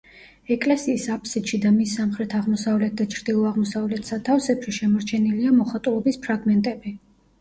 ეკლესიის აფსიდში და მის სამხრეთ-აღმოსავლეთ და ჩრდილო-აღმოსავლეთ სათავსებში შემორჩენილია მოხატულობის ფრაგმენტები.